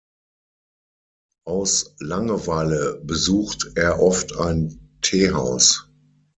Aus Langeweile besucht er oft ein Teehaus.